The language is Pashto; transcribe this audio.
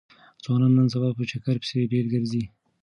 ځوانان نن سبا په چکر پسې ډېر ګرځي.